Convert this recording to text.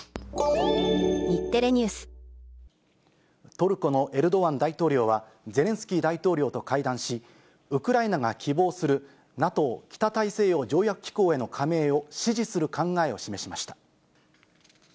トルコのエルドアン大統領は、ゼレンスキー大統領と会談し、ウクライナが希望するＮＡＴＯ・北大西洋条約機構への加盟を支持する考えを示しました。